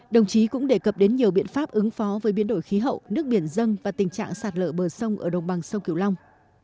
đồng chí cũng đề cập đến nhiều biện pháp ứng phó với biến đổi khí hậu nước biển dân và tình trạng sạt lở bờ sông ở đồng bằng sông kiểu long